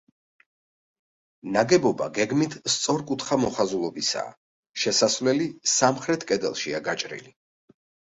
ნაგებობა გეგმით სწორკუთხა მოხაზულობისაა, შესასვლელი სამხრეთ კედელშია გაჭრილი.